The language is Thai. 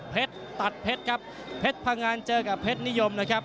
ตัดเพชรครับเพชรพังงานเจอกับเพชรนิยมนะครับ